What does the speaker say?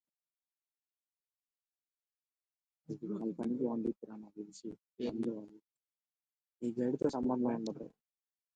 It is found exclusively in Myanmar.